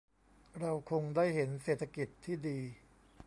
เราคงได้เห็นเศรษฐกิจที่ดี